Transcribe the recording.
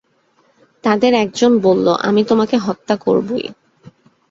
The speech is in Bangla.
তাদের একজন বলল, আমি তোমাকে হত্যা করব-ই।